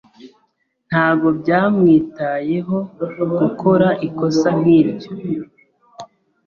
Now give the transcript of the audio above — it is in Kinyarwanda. Ntabwo byamwitayeho gukora ikosa nkiryo.